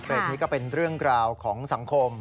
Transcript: นี้ก็เป็นเรื่องราวของสังคม